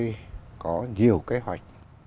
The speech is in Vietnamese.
sẽ tạo ra những kế hoạch